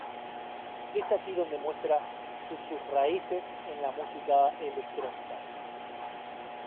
Es aquí donde muestra su sus raíces en la música electrónica.